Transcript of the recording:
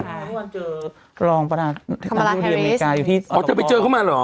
ใช่เมื่อเชิญเก็บรองประการอัตโนอำเมลัคกราศอีกอยู่ที่หึจะไปเจอเข้ามาเหรอ